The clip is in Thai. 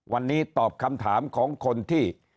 วันนี้ตอบคำถามของคนที่